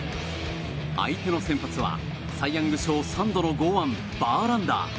相手の先発はサイ・ヤング賞３度の剛腕バーランダー。